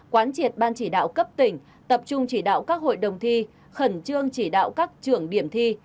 quán triệt ban chỉ đạo cấp tỉnh tập trung chỉ đạo các hội đồng thi khẩn trương chỉ đạo các trưởng điểm thi